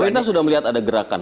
pemerintah sudah melihat ada gerakan